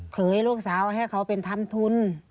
ลูกสาวให้เขาเป็นทำทุน